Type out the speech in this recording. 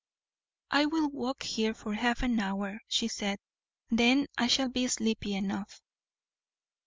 "I will walk here for half an hour," she said, "then I shall be sleepy enough."